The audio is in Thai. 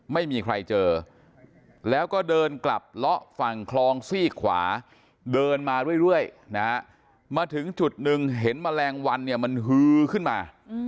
ไม่มีใครเจอแล้วก็เดินกลับเลาะฝั่งคลองซี่ขวาเดินมาเรื่อยนะฮะมาถึงจุดหนึ่งเห็นแมลงวันเนี่ยมันฮือขึ้นมา